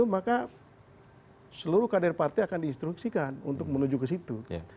maka seluruh kader partai akan diinstruksikan untuk menuju ke situ